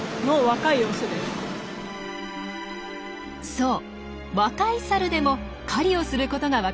そう若いサルでも狩りをすることが分かったんです。